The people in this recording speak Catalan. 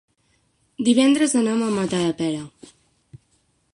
Divendres anam a Matadepera.